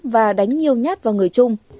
và đánh nhiều nhát vào người trung